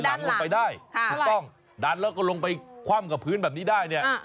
หลังลงไปได้ถูกต้องดันแล้วก็ลงไปคว่ำกับพื้นแบบนี้ได้เนี่ย